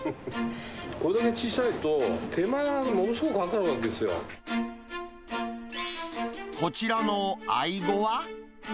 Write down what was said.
これだけ小さいと、手間がものすごくかかるわけですよ。こちらの愛後は。